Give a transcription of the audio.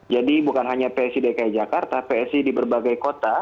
jadi bukan hanya psi dki jakarta psi di berbagai kota